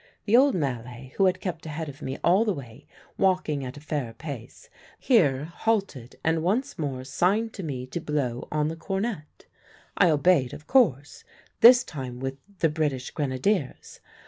The old Malay, who had kept ahead of me all the way, walking at a fair pace, here halted and once more signed to me to blow on the cornet. I obeyed, of course, this time with 'The British Grenadiers.'